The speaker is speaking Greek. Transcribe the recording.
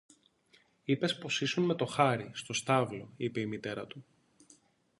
Είπες πως ήσουν με τον Χάρη, στο στάβλο, είπε η μητέρα του.